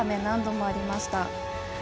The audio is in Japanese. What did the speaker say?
何度もありました。